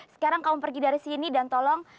sekarang kaum pergi dari sini dan tolong